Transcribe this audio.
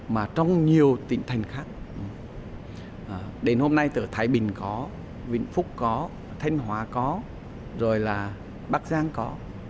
mà trong nhiều tỉnh thành khác đến hôm nay ở thái bình có vĩnh phúc có thanh hóa có rồi là bắc giang có